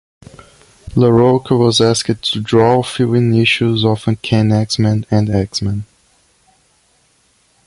Larroca was asked to draw fill-in issues of "Uncanny X-Men" and "X-Men".